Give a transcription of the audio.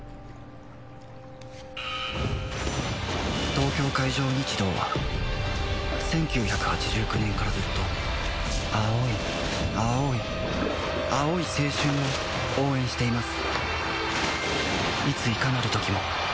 東京海上日動は１９８９年からずっと青い青い青い青春を応援しています